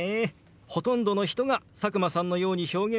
ほとんどの人が佐久間さんのように表現すると思います。